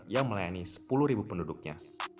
yang melayani sepuluh penduduknya